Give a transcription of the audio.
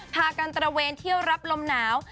พากันตระเวนเที่ยวรับลมหนาว